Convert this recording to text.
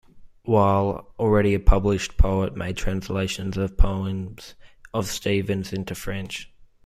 Wahl, already a published poet, made translations of poems of Stevens into French.